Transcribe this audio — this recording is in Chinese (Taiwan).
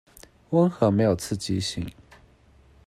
溫和沒有刺激性